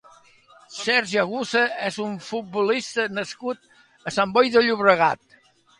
Sergio Aguza és un futbolista nascut a Sant Boi de Llobregat.